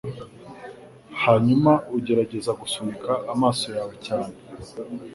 hanyuma ugerageze gusunika amaso yawe cyane